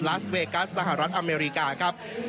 ลาสเวกัสสหรัฐอเมริกาครับ